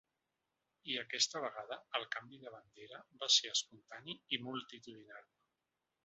I aquesta vegada el canvi de bandera va ser espontani i multitudinari.